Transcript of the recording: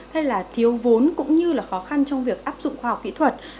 hay là thiếu vốn cũng như là khó khăn trong việc áp dụng khoa học kỹ thuật